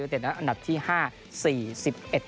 ๑๔แล้วก็เชียงรายวิทยาลัยอันดับที่๕